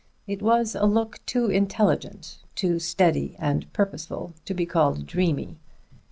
It was a look too intelligent, too steady and purposeful, to be called dreamy.